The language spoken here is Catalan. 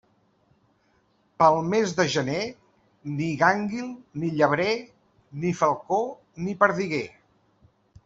Pel mes de gener, ni gànguil, ni llebrer, ni falcó, ni perdiguer.